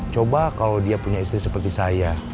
coba kalau dia punya istri seperti saya